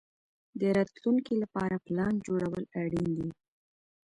د راتلونکي لپاره پلان جوړول اړین دي.